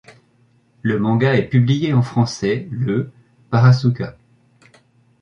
Le manga est publié en français le par Asuka.